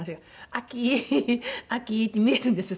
「あき！あき！」って見えるんですよ